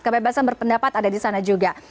kebebasan berpendapat ada di sana juga